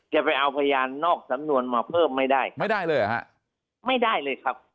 ไปเอาพยานนอกสำนวนมาเพิ่มไม่ได้ไม่ได้เลยเหรอฮะไม่ได้เลยครับ